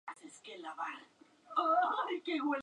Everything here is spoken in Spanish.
Sexta Etapa: Unidad Educativa Militar Oficial Cap.